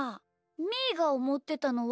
みーがおもってたのは。